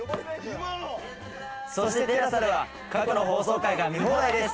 そしてＴＥＬＡＳＡでは過去の放送が見放題です。